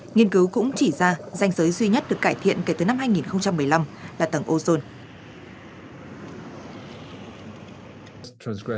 nghiên cứu cũng chỉ ra danh giới duy nhất được cải thiện kể từ năm hai nghìn một mươi năm là tầng ozone